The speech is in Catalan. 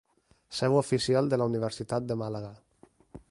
Seu oficial de la Universitat de Màlaga.